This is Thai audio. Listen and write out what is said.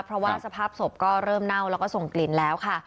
เพราะว่าสภาพศพก็เริ่มเน่าแล้วก็ส่งกลิ่นแล้วค่ะ